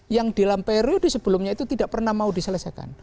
yang dalam periode sebelumnya itu tidak pernah mau diselesaikan